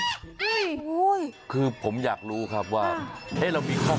เฮ้ยสวัสดีครับ